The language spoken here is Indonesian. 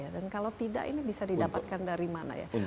dan kalau tidak ini bisa didapatkan dari mana ya